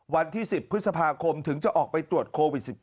วันที่๑๐พฤษภาคมถึงจะออกไปตรวจโควิด๑๙